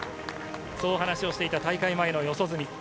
そう話をしていた大会前の四十住。